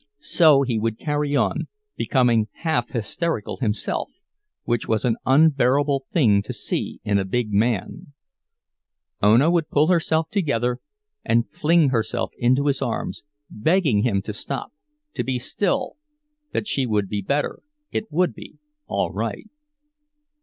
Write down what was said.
So he would carry on, becoming half hysterical himself, which was an unbearable thing to see in a big man; Ona would pull herself together and fling herself into his arms, begging him to stop, to be still, that she would be better, it would be all right.